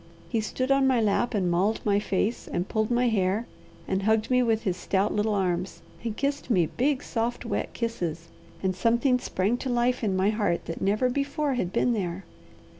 He stood on my lap and mauled my face, and pulled my hair, and hugged me with his stout little arms and kissed me big, soft, wet kisses, and something sprang to life in my heart that never before had been there.